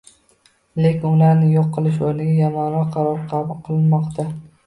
Lekin ularni yo'q qilish o'rniga yomonroq qarorlar qabul qilinmoqda